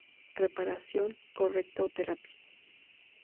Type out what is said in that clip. Reparación, correcta o terapia.